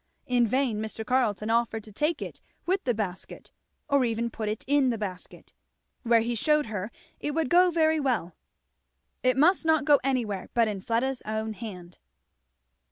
In vain Mr. Carleton offered to take it with the basket or even to put it in the basket, where he shewed her it would go very well; it must go nowhere but in Fleda's own hand.